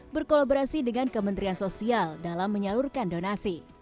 berkolaborasi dengan kementerian sosial dalam menyalurkan donasi